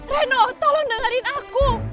reno tolong dengerin aku